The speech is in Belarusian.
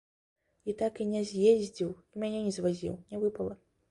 І так і не з'ездзіў і мяне не звазіў, не выпала.